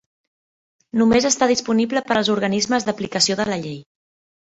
Només està disponible per als organismes d'aplicació de la llei.